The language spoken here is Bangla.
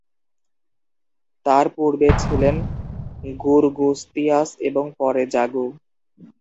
তার পূর্বে ছিলেন গুরগুস্তিয়াস এবং পরে জাগো।